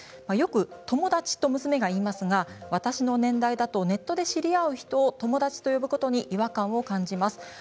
よく、友達と娘が言いますが私の年代だとネットで知り合う人を友達と呼ぶことに違和感を感じます。